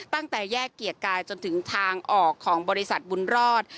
ตั้งแต่แยกเกียรติกายจนถึงทางออกของบริษัทบุญรอด